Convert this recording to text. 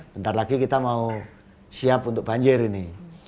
bentar lagi kita mau siap untuk banjir ini